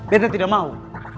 betta tidak mau